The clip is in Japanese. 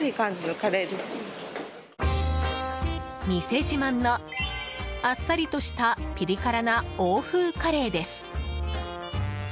店自慢のあっさりとしたピリ辛な欧風カレーです。